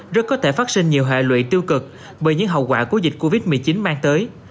rất có thể phát sinh nhiều hệ lụy tiêu cực bởi những hậu quả của dịch covid một mươi chín mang tới